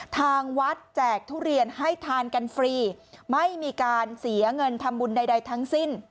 ทางวัดแจกทุเรียนให้ทานกันฟรีไม่มีการเสียเงินทำบุญใดทั้งสิ้น